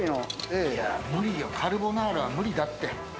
カルボナーラは無理だって！